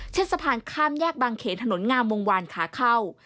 สะพานข้ามแยกบางเขนถนนงามวงวานขาเข้า